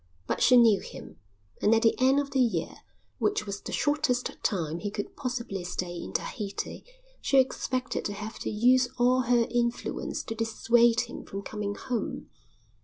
But she knew him, and at the end of the year, which was the shortest time he could possibly stay in Tahiti, she expected to have to use all her influence to dissuade him from coming home.